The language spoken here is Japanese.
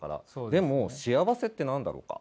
でも幸せって何だろうか？